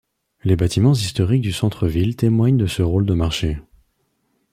Les bâtiments historiques du centre-ville témoignent de ce rôle de marché.